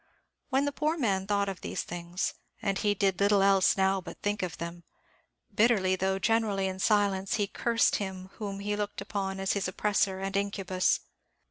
When the poor man thought of these things and he did little else now but think of them bitterly, though generally in silence, he cursed him whom he looked upon as his oppressor and incubus.